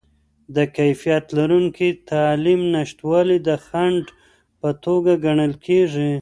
د کیفیت لرونکې تعلیم نشتوالی د خنډ په توګه ګڼل کیږي.